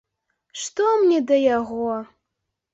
Што мне да яго!